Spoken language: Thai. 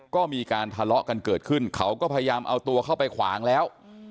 ก็มีการทะเลาะกันเกิดขึ้นเขาก็พยายามเอาตัวเข้าไปขวางแล้ว